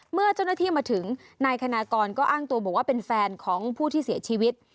เมื่อเจ้าหน้าที่มาถึงนายคณากรก็อ้างตัวบอกว่าเป็นแฟนของผู้ที่เสียชีวิต